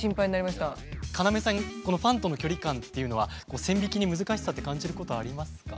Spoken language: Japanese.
鹿目さんこのファンとの距離感っていうのは線引きに難しさって感じることありますか？